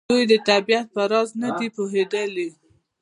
دوی د طبیعت په راز نه دي پوهېدلي.